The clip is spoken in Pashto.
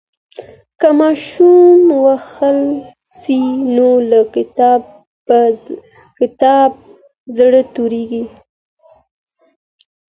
که ماشوم ووهل سي نو له کتابه زړه توروي.